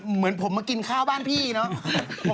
เหมือนผมมากินข้าวบ้านพี่เนอะ